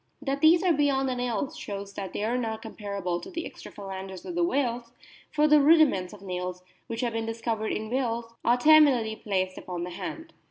That these are beyond the nails shows that they are not comparable to the extra phalanges of the whales ; for the rudiments of nails, which have been discovered in whales, are terminally placed upon the hand.